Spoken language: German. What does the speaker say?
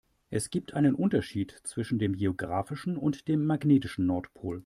Es gibt einen Unterschied zwischen dem geografischen und dem magnetischen Nordpol.